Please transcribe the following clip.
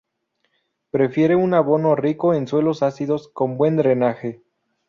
Prefiere un abono rico en suelos ácidos con buen drenaje.